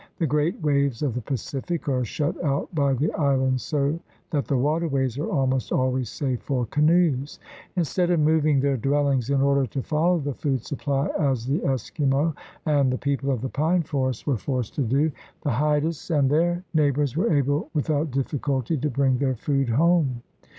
The great waves of the Pacific are shut out by the islands so that the waterways are almost always safe for canoes. Instead of moving their dwellings in order to follow the food supply, as the Eskimo and the people of the pine forest were forced to do, the Haidas and their neighbors were able without difficulty to bring their food home.